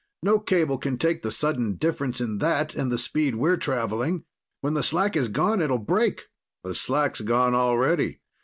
No cable can take the sudden difference in that and the speed we're traveling. When the slack is gone, it'll break!" "The slack's gone already.